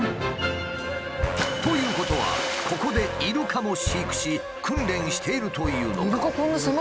ということはここでイルカも飼育し訓練しているというのか？